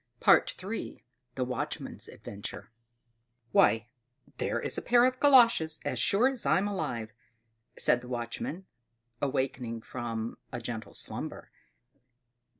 III. The Watchman's Adventure "Why, there is a pair of galoshes, as sure as I'm alive!" said the watchman, awaking from a gentle slumber.